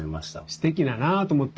すてきだなと思って。